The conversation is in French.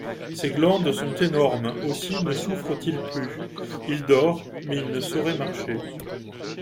Ses glandes sont énormes, aussi ne souffre-t-il plus ; il dort, mais il ne saurait marcher.